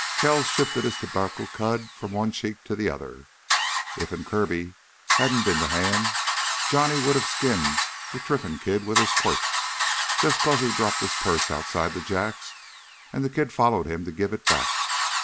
Kells shifted his tobacco cud from one cheek to the other. "Iffen Kirby here hadn't been to hand, Johnny would have skinned th' Trinfan kid with his quirt—jus' 'cause he dropped his purse outside th' Jacks an' th' kid followed him to give it back.